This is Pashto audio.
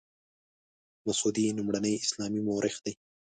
مسعودي لومړنی اسلامي مورخ دی.